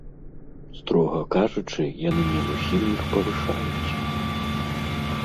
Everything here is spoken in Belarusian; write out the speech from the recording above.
Строга кажучы, яны не зусім іх павышаюць.